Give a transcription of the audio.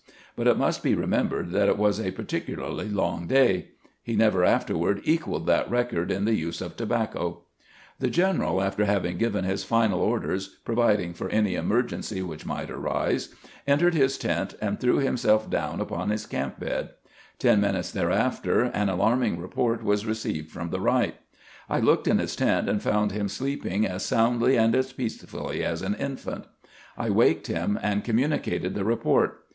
But it must be remembered that it was a particularly long day. He never afterward equaled that record in the use of tobacco. The general, after having given his final orders pro viding for any emergency which might arise, entered GEANT AFTEE THE BATTLE 71 his tent, and threw himself down upon his camp bed. Ten minutes thereafter an alarming report was received from the right. I looked in his tent, and found him sleeping as soundly and as peacefully as an infant. I waked him, and communicated the report.